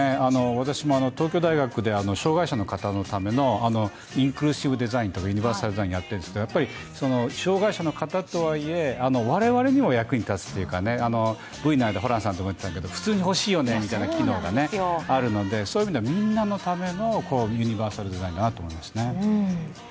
私も東京大学で障害者の方のためのインクルーシブデザインとかユニバーサルデザインをやっているんですけど、障害者の方とはいえ我々にも役に立つというか、普通に欲しいよねみたいな機能があるのでそういう意味ではみんなのためのユニバーサルデザインだなと思いますね。